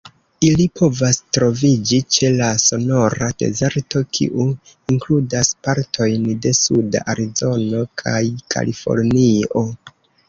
Ili povas troviĝi ĉe la Sonora-Dezerto, kiu inkludas partojn de suda Arizono kaj Kalifornio.